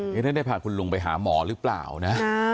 นี่ท่านได้พาคุณลุงไปหาหมอหรือเปล่านะ